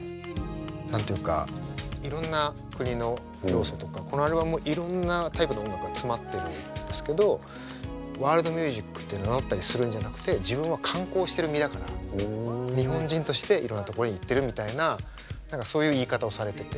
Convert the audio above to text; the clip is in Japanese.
何て言うかいろんな国の要素とかこのアルバムもいろんなタイプの音楽が詰まってるんですけどワールドミュージックって名乗ったりするんじゃなくて自分は観光してる身だから日本人としていろんな所に行ってるみたいな何かそういう言い方をされてて。